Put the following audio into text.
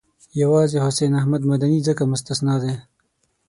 یوازې حسین احمد مدني ځکه مستثنی دی.